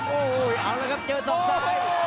โอ้โหเอาละครับเจอศอกซ้าย